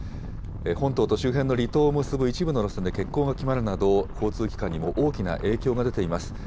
本島と周辺の離島を結ぶ一部の路線で欠航が決まるなど、交通機関にも大きな影響が出ています。